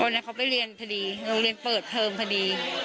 นั้นเขาไปเรียนพอดีโรงเรียนเปิดเทอมพอดี